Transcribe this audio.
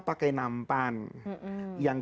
pakai nampan yang